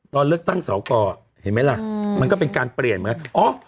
ตอนเลือกตั้งสอกรเห็นไหมล่ะมันก็เป็นการเปลี่ยนเหมือนอ๋อ